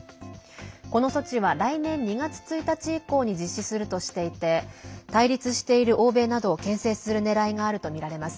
この措置は、来年２月１日以降に実施するとしていて対立している欧米などをけん制する狙いがあるとみられます。